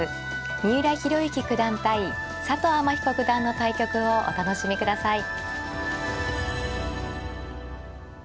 三浦弘行九段対佐藤天彦九段の対局をお楽しみください。